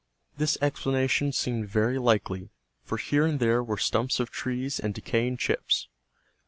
This explanation seemed very likely, for here and there were stumps of trees and decaying chips.